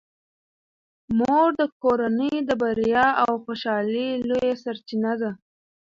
مور د کورنۍ د بریا او خوشحالۍ لویه سرچینه ده.